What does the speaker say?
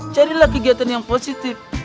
carilah kegiatan yang positif